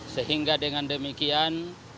sehingga dengan demikian